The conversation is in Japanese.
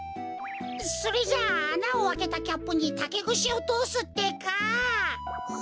それじゃああなをあけたキャップにたけぐしをとおすってか。